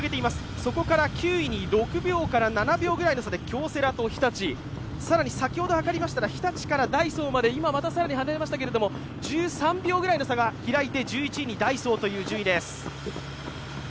そこから９位に６秒から７秒ぐらいで京セラと日立、更に先ほどはかりましたら日立からダイソーまで今また更に離れましたけれども、１３秒ぐらいの差が開いて１１位にダイソーという順位です